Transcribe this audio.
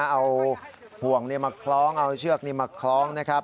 เอาห่วงมาคล้องเอาเชือกนี้มาคล้องนะครับ